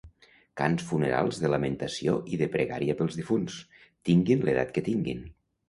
Cants funerals de lamentació i de pregària pels difunts, tinguin l'edat que tinguin.